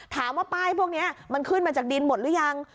ถามว่าป้ายพวกนี้มันขึ้นมาจากดินหมดหรือยัง